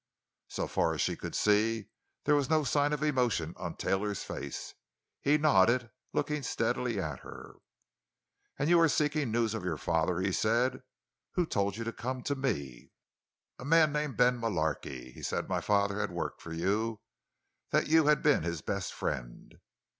So far as she could see, there was no sign of emotion on Taylor's face. He nodded, looking steadily at her. "And you are seeking news of your father," he said. "Who told you to come to me?" "A man named Ben Mullarky. He said my father had worked for you—that you had been his best friend."